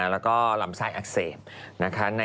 แล้วก็ลำไซด์อักเสบ